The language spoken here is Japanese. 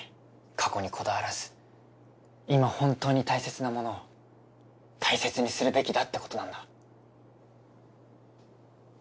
過去にこだわらず今本当に大切なものを大切にするべきだってことなんだ。